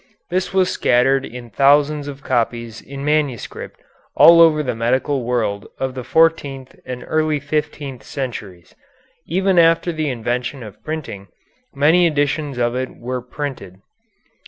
This was scattered in thousands of copies in manuscript all over the medical world of the fourteenth and early fifteenth centuries. Even after the invention of printing, many editions of it were printed.